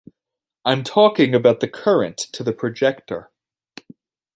I'm talking about the current to the projector.